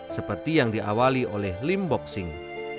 seperti yang diawali oleh lin boxing